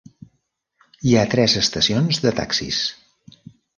Hi ha tres estacions de taxis: